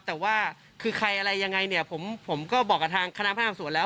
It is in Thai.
แต่ว่าคือใครอะไรยังไงเนี่ยผมก็บอกกับทางคณะพนักงานสวนแล้ว